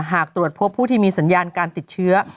หากตรวจพบผู้ที่มีสัญญาการติดเชื้อ